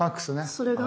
それが？